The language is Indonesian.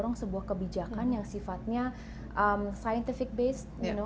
ini adalah sebuah kebijakan yang sifatnya berdasarkan sains